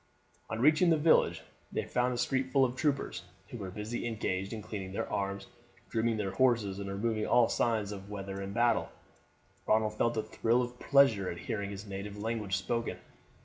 On reaching the village they found the street full of troopers, who were busy engaged in cleaning their arms, grooming their horses, and removing all signs of weather and battle. Ronald felt a thrill of pleasure at hearing his native language spoken.